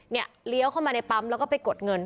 เลี้ยวเข้ามาในปั๊มแล้วก็ไปกดเงิน